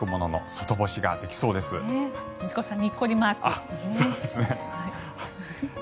そうですね。